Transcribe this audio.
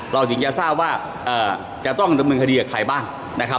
เราถึงจะทราบว่าจะต้องดำเนินคดีกับใครบ้างนะครับ